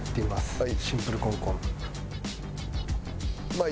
はい。